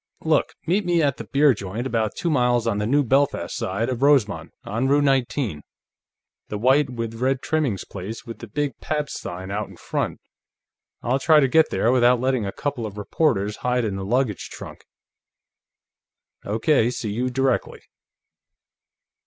Look, meet me at that beer joint, about two miles on the New Belfast side of Rosemont, on Route 19; the white with red trimmings place with the big Pabst sign out in front. I'll try to get there without letting a couple of reporters hide in the luggage trunk." "Okay; see you directly."